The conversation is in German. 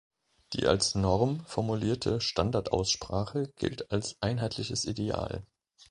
Die als Norm formulierte Standardaussprache gilt als einheitliches Ideal.